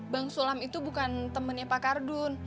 bang sulam itu bukan temannya pak kardun